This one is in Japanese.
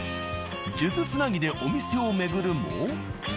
数珠つなぎでお店を巡るも。